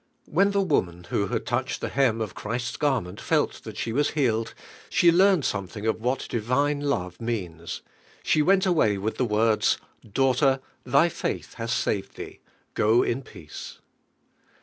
When the wo man who had touched the hem of Christ's garment felt that she was healed, she learned something of what divine lore means. She went away with (he words: "tKa.ngh.ter, thy faith hath saved thee: go in peace."